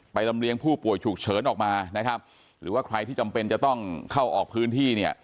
ลำเลียงผู้ป่วยฉุกเฉินออกมานะครับหรือว่าใครที่จำเป็นจะต้องเข้าออกพื้นที่เนี่ย